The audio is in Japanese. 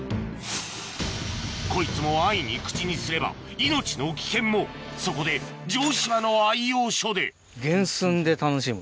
こいつも安易に口にすれば命の危険もそこで城島の愛用書で『原寸で楽しむ』。